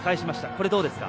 これ、どうですか。